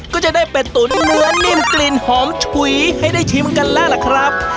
ก็จะได้เป็ดตุ๋นเนื้อนิ่มกลิ่นหอมฉุยให้ได้ชิมกันแล้วล่ะครับ